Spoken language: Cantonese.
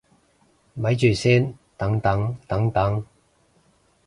咪住先，等等等等